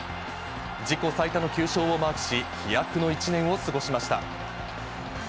自己最多の９勝をマークし、飛躍の一年を過ごしました。